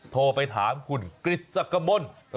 โทรไปถามคุณกฤษกมล